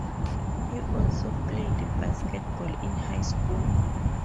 He also played basketball in high school.